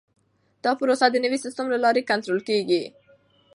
دا پروسه د نوي سیسټم له لارې کنټرول کیږي.